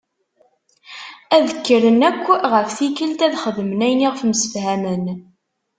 Ad kren akk ɣef tikelt ad xedmen ayen i ɣef msefhamen.